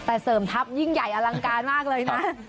แต่เสริมทัพยิ่งใหญ่อลังการมากเลยนะ